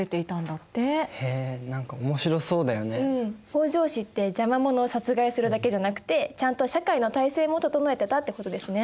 北条氏って邪魔者を殺害するだけじゃなくてちゃんと社会の体制も整えてたってことですね。